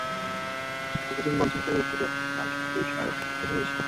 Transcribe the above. অপরজন বলেছেন, তিনি বিচ্ছেদ চান, কারণ তাঁর স্ত্রীর শারীরিক চাহিদা বেশি।